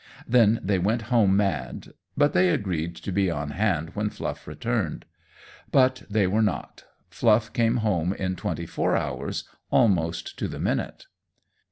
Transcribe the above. Then they went home mad, but they agreed to be on hand when Fluff returned. But they were not. Fluff came home in twenty four hours, almost to the minute.